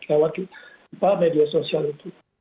kita wakil media sosial itu